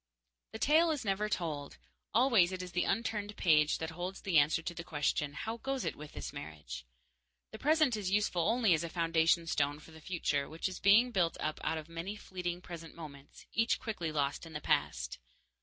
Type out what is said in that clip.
_ The tale is never told. Always it is the unturned page the holds the answer to the question, "How goes it with this marriage?" The present is useful only as a foundation stone for the future, which is being built up out of many fleeting present moments, each quickly lost in the past.